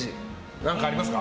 何かありますか？